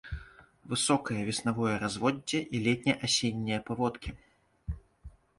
Высокае веснавое разводдзе і летне-асеннія паводкі.